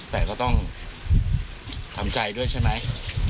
แต่ก็ต้องทำใจด้วยใช่ไหม